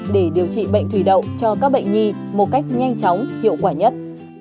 để điều trị bệnh thủy đậu cho các bệnh nhi một cách nhanh chóng hiệu quả nhất